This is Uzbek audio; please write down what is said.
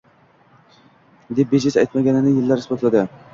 deb bejiz aytmaganini yillar isbotladi.